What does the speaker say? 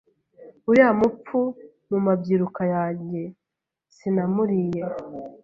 uriya mupfu mu mabyiruka yanjye sinamuriye